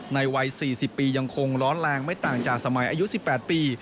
วัย๔๐ปียังคงร้อนแรงไม่ต่างจากสมัยอายุ๑๘ปี